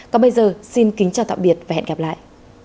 còn bây giờ xin kính chào tạm biệt và hẹn gặp lại